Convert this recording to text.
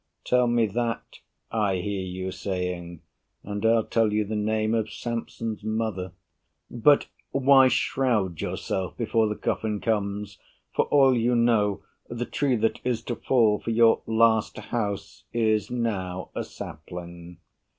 Tell me that, I hear you saying, and I'll tell you the name Of Samson's mother. But why shroud yourself Before the coffin comes? For all you know, The tree that is to fall for your last house Is now a sapling.